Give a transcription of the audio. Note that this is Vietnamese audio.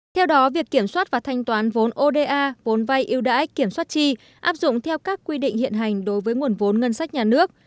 theo đó việc kiểm soát và thanh toán vốn oda vốn vay ưu đãi kiểm soát chi áp dụng theo các quy định hiện hành đối với nguồn vốn ngân sách nhà nước